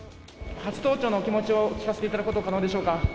初登庁のお気持ちを聞かせていただくことは可能でしょうか。